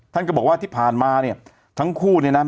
ท่านก็บอกว่าที่ผ่านมาเนี่ยทั้งคู่เนี่ยนะ